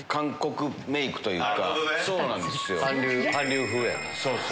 韓流風やな。